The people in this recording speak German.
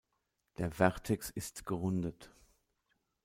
Der Vertex ist gerundet.